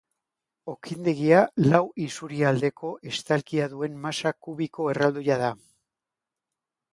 Okindegia lau isurialdeko estalkia duen masa kubiko erraldoia da.